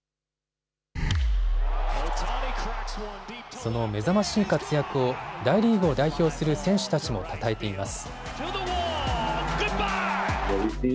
その目覚ましい活躍を大リーグを代表する選手たちもたたえています。